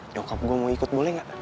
nyokap gue mau ikut boleh gak